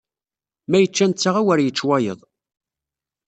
Ma yečča netta awer yečč wayeḍ.